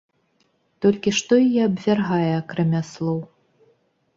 Толькі што яе абвяргае акрамя слоў?